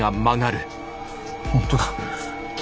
本当だ。